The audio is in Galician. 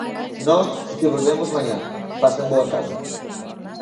Nós si volvemos mañá, pasen boa tarde!